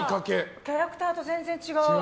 キャラクターと全然違う。